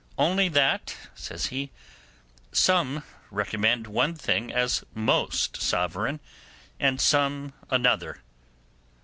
Only that', says he, 'some recommend one thing as most sovereign, and some another.